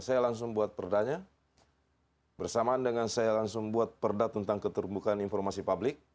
saya langsung buat perdahnya bersamaan dengan saya langsung buat perdah tentang ketumbukan informasi publik